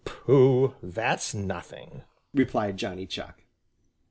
"Pooh, that's nothing!" replied Johnny Chuck.